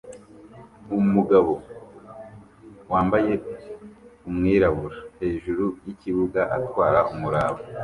Umugabo wambaye umwirabura hejuru yikibuga atwara umuraba